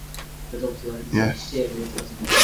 Do you consider Islam an organized religion?